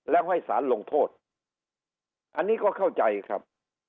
แล้วให้สารลงโทษอันนี้ก็เข้าใจครับ